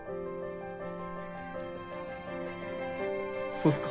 そうっすか。